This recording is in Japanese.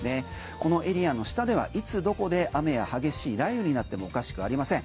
このエリアの下ではいつどこで雨や激しい雷雨になってもおかしくありません。